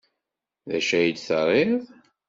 D acu ay d-terriḍ?